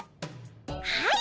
はい！